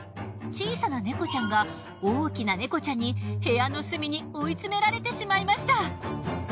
小さな猫ちゃんが大きな猫ちゃんに部屋の隅に追い詰められてしまいました。